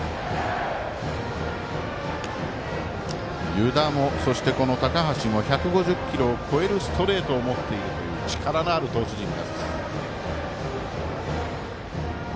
湯田も、高橋も１５０キロを超えるストレートを持っているという力のある投手陣です。